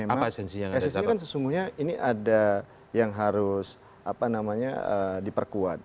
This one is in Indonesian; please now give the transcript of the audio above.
bahwa memang esensinya kan sesungguhnya ini ada yang harus diperkuat